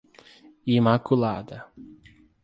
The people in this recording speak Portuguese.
Imaculada